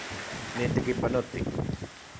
Nitekipanoti